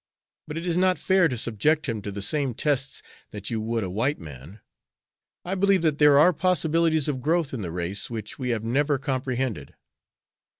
But it is not fair to subject him to the same tests that you would a white man. I believe that there are possibilities of growth in the race which we have never comprehended."